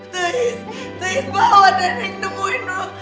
t e i s t e i s bawa nenek temuin lu